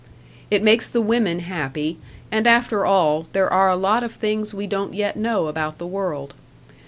It makes the women happy, and after all, there are a lot of things we don't yet know about the world.